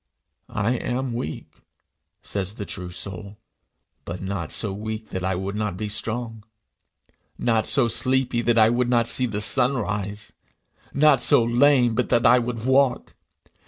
'I am weak,' says the true soul, 'but not so weak that I would not be strong; not so sleepy that I would not see the sun rise; not so lame but that I would walk!